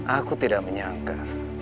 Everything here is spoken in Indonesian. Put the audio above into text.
aku tidak menyangka